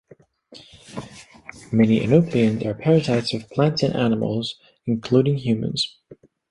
Many enopleans are parasites of plants and animals, including humans.